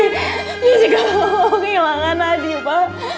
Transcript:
jessica gak mau kehilangan haji pak